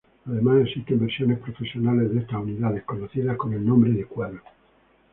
Además existen versiones profesionales de estas unidades, conocidas con el nombre de Quadro.